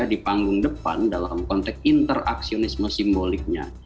di panggung depan dalam konteks interaksionisme simboliknya